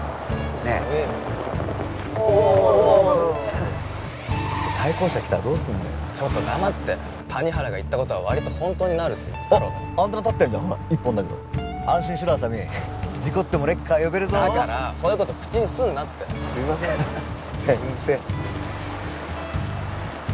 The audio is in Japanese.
怖えよおおッ・対向車来たらどうすんだちょっと黙って谷原が言ったことは割と本当になるって言ったろアンテナ立ってんじゃんほら１本だけど安心しろ浅見事故ってもレッカー呼べるぞだからそういうこと口にすんな・すいません先生